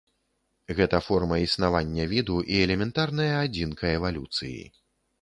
Гэта форма існавання віду і элементарная адзінка эвалюцыі.